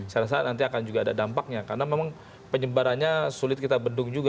saya rasa nanti akan juga ada dampaknya karena memang penyelenggaraan ini masih ada yang menanggung